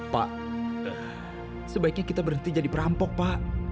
pak sebaiknya kita berhenti jadi perampok pak